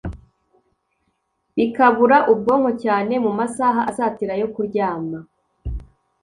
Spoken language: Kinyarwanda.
bikabura ubwonko cyane mu masaha asatira ayo kuryama.